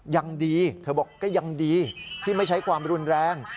ยังดีเธอบอกก็ยังดีที่ไม่ใช้ความรุนแรง